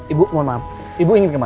ibu mohon maaf ibu ingin kemana